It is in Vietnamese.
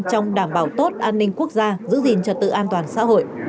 trong đảm bảo tốt an ninh quốc gia giữ gìn trật tự an toàn xã hội